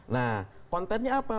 nah kontennya apa